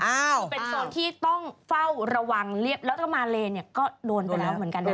เป็นโซนที่ต้องเฝ้าระวังแล้วก็มาเลก็โดนไปแล้วเหมือนกัน